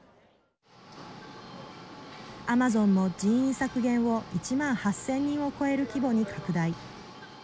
アマゾンも人員削減を１万８０００人を超える規模に拡大。